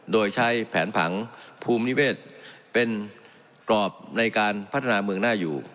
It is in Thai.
โดยใช้แผนผังภูมินิเวศเป็นกรอบในการพัฒนาเมืองหน้าอยู่